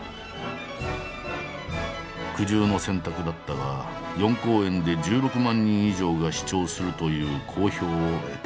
苦渋の選択だったが４公演で１６万人以上が視聴するという好評を得た。